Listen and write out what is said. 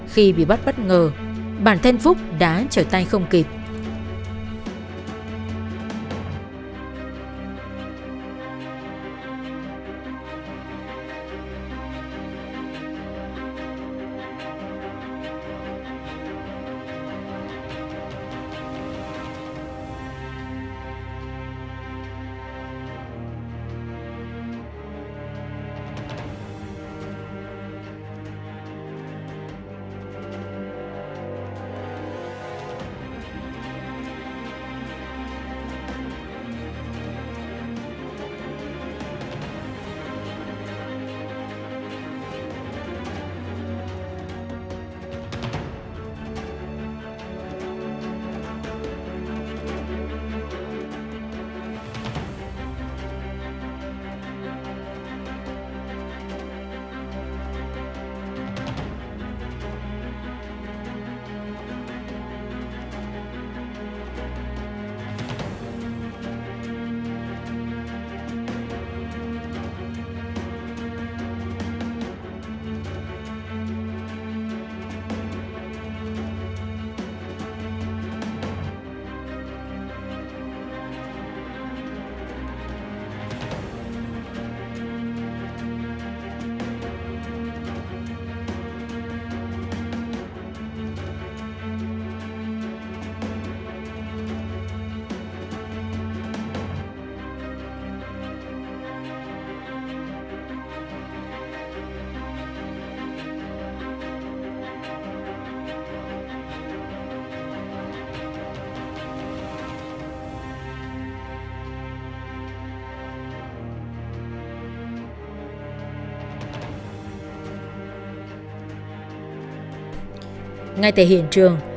khi vĩnh phúc vừa từ kim sơn ninh bình sang